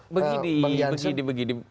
begini begini begini